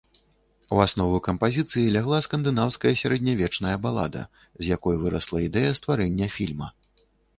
У аснову кампазіцыі лягла скандынаўская сярэднявечная балада, з якой вырасла ідэя стварэння фільма.